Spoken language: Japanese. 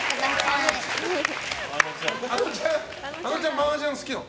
マージャン好きなの？